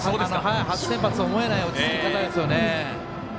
初先発とは思えない落ち着き方ですよね。